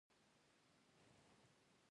پزه ټولو حساس بویونکې ده.